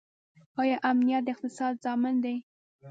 آیا امنیت د اقتصاد ضامن دی؟